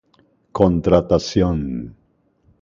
Contratación